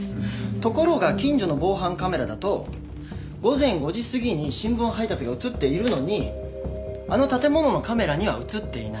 ところが近所の防犯カメラだと午前５時過ぎに新聞配達が映っているのにあの建物のカメラには映っていない。